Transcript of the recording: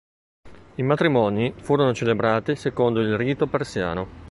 I matrimoni furono celebrati secondo il rito persiano.